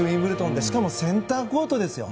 しかもセンターコートですよ。